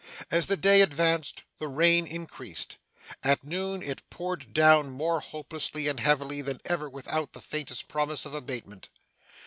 As the day advanced the rain increased. At noon it poured down more hopelessly and heavily than ever without the faintest promise of abatement.